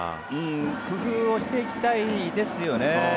工夫をしていきたいですよね。